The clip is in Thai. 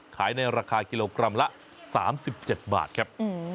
ขายในราคากิโลกรัมละ๓๗บาทครับ